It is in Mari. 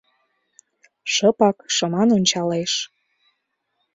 Шыпак, шыман ончалеш.